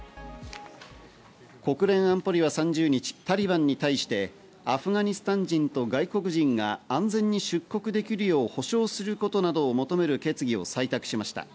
国連安保理は３０日、タリバンに対してアフガニスタン人と外国人が安全に出国できるよう保証することなどを求める決議を採択しました。